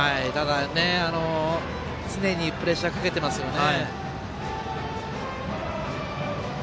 常にプレッシャーかけてますよね。